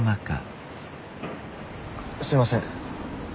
すみません